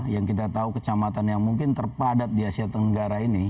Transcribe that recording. yang kita tahu kecamatan yang mungkin terpadat di asia tenggara ini